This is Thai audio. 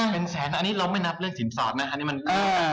เป็นแสนอันนี้เราไม่นับเรื่องสินสอบนะอันนี้มันเรื่องความตกลง